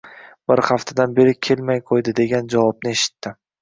Bir haftadan beri kelmay qo‘ydi degan javobni eshitdi